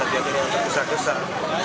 sehingga ada satu yang tas